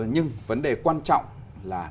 nhưng vấn đề quan trọng là